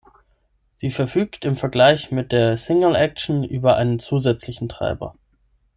Sie verfügt im Vergleich mit der „Single Action“ über einen zusätzlichen Treiber.